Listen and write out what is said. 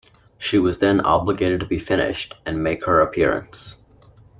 She was then obliged to be finished, and make her appearance.